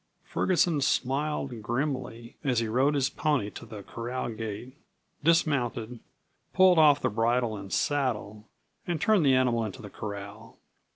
Ferguson smiled grimly as he rode his pony to the corral gate, dismounted, pulled off the bridle and saddle, and turned the animal into the corral.